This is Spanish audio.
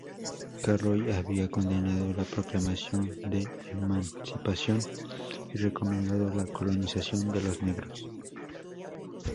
Carroll había condenado la Proclamación de Emancipación y recomendado la colonización de los negros.